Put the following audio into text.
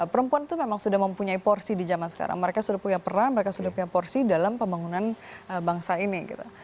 perempuan itu memang sudah mempunyai porsi di zaman sekarang mereka sudah punya peran mereka sudah punya porsi dalam pembangunan bangsa ini gitu